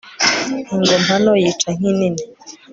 ingoma nto yica nk'inini